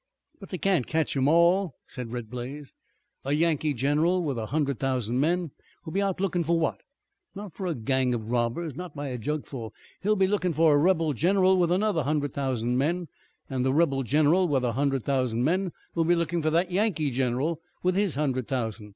"But they can't ketch 'em all," said Red Blaze. "A Yankee general with a hundred thousand men will be out lookin' for what? Not for a gang of robbers, not by a jugful. He'll be lookin' for a rebel general with another hundred thousand men, an' the rebel general with a hundred thousand men will be lookin' for that Yankee general with his hundred thousand.